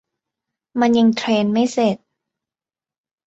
มันยังเทรนไม่เสร็จ